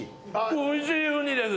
おいしいウニです。